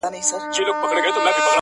لاره د خیبر، د پښتنو د تلو راتللو ده؛